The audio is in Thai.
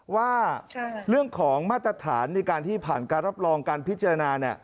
ว่าเรื่องของมาตรฐานในการที่ผ่านการรับรองการพิจารณา